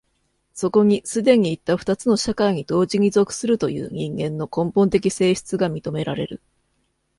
そこに既にいった二つの社会に同時に属するという人間の根本的性質が認められる。